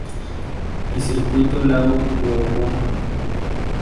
Y circuito lago Poopó.